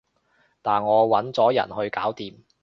但我搵咗人去搞掂